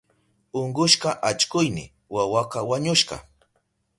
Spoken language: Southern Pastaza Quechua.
Unkushka allkuyni wawaka wañushka.